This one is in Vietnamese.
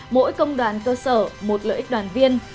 mỗi công đoàn cơ sở một lợi ích đoàn viên